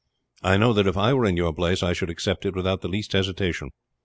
I know that if I were in your place I should accept it without the least hesitation.